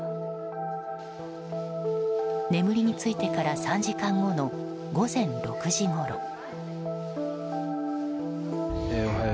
眠りについてから３時間後の午前６時ごろ。